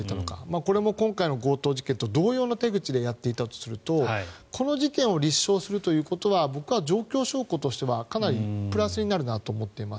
これも今回の強盗事件と同様の手口でやっていたとするとこの事件を立証するということは僕は状況証拠としてはかなりプラスになるなと思っています。